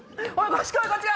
こっち来いこっち！